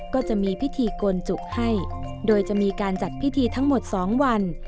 ก็จะมีพิธีกลจุให้โดยจะมีการจัดพิธีทั้งหมด๒วัน